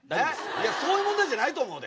いやそういう問題じゃないと思うで。